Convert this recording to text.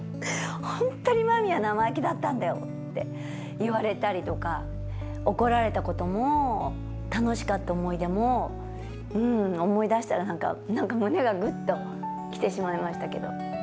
本当に真実は生意気だったんだよって言われたりとか怒られたことも楽しかった思い出も思い出したら何か胸がグッと来てしまいましたけど。